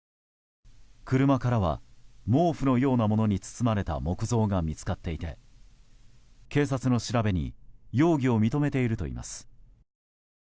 車からは毛布のようなものに包まれた木像が見つかっていて警察の調べに容疑を認めているといいます。